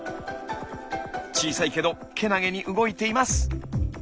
小さいけどけなげに動いています。